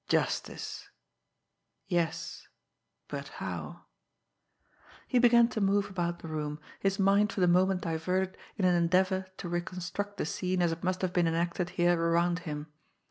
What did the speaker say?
Justice! Yes but how? He began to move about the room, his mind for the moment diverted in an endeavour to reconstruct the scene as it must have been enacted here around him.